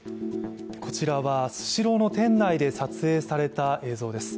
こちらは、スシローの店内で撮影された映像です。